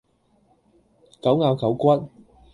狗咬狗骨